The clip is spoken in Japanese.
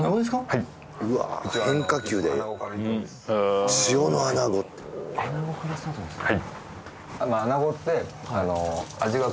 はい変化球で塩の穴子穴子からスタートなんですか？